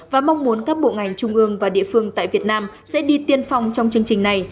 và mong muốn các bộ ngành trung ương và địa phương tại việt nam sẽ đi tiên phong trong chương trình này